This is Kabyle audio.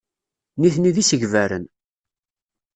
Nitni d isegbaren.